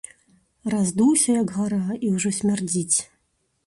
Раздуўся, як гара, і ўжо смярдзіць.